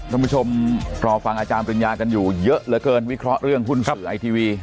ท่านผู้ชมรอฟังอาจารย์ปริญญากันอยู่เยอะเหลือเกินวิเคราะห์เรื่องหุ้นสื่อไอทีวี